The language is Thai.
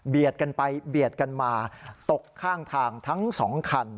กันไปเบียดกันมาตกข้างทางทั้งสองคัน